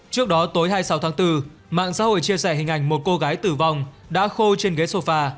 trước đó tối hai mươi sáu tháng bốn mạng xã hội chia sẻ hình ảnh một cô gái tử vong đã khô trên ghế sôfa